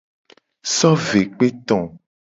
So ve kpe to.